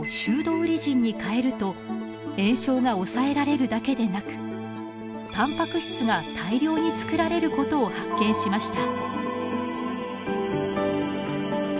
ウリジンにかえると炎症が抑えられるだけでなくタンパク質が大量に作られることを発見しました。